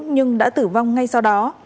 nhưng đã tử vong ngay sau đó